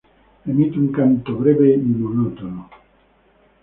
Emite un canto breve y monótono.